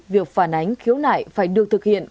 việc phản ánh khiếu nải phải được thực hiện